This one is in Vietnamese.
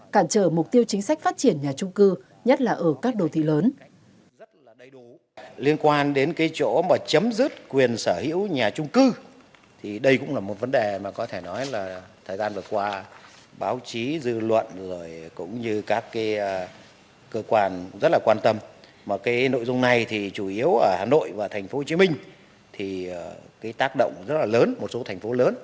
cản trở mục tiêu chính sách phát triển nhà trung cư nhất là ở các đồ thị lớn